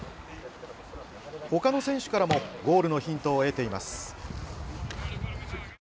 他の選手からもゴールのヒントを得ています。